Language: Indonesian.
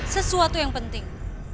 sesuatu yang penting